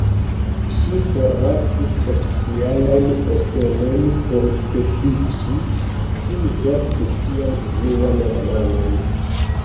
Ŝi forlasis oficialajn postenojn por dediĉi sin verki sian unuan romanon.